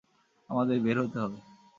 আমাদের বের হতে হবে।